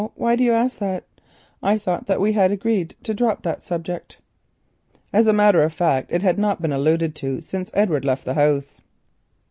Why do you ask that? I thought we had agreed to drop that subject." As a matter of fact it had not been alluded to since Edward left the house.